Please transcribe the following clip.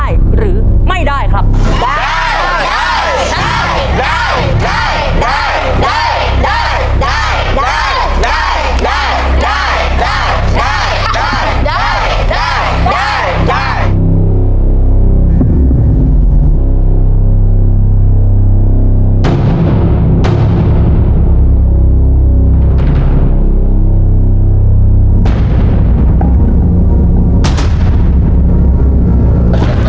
ชม๑๕ขวดใครในเวลา๓นาที